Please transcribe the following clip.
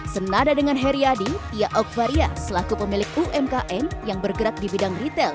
senada dengan heri yadi tia ogfaria selaku pemilik umkm yang bergerak di bidang retail